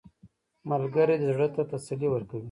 ملګری د زړه ته تسلي ورکوي